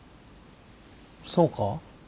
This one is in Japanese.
そうか？